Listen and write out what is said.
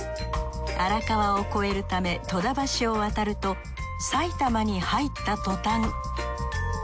荒川を越えるため戸田橋を渡ると埼玉に入った途端。